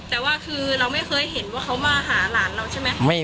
แต่ว่าคือเราไม่เคยเห็นว่าเขามาหาหลานเราใช่ไหม